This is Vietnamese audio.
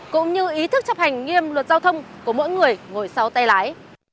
cũng như ý thức chấp hành nghiêm luật giao thông của mỗi người ngồi sau tay lái